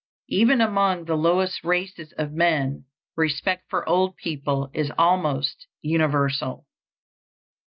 Even among the lowest races of men respect for old people is almost universal.